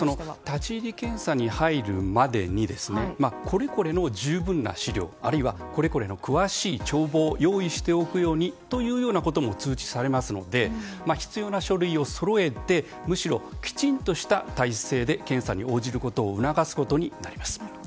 立ち入り検査に入るまでにこれこれの十分な資料あるいはこれこれの詳しい帳簿を用意しておくようにということも通知されますので必要な書類をそろえてむしろきちんとした体制で検査に応じることを促すことになります。